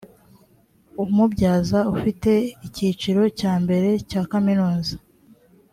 umubyaza ufite icyiciro cya mbere cya kaminuza